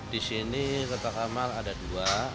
di sini kotak amal ada dua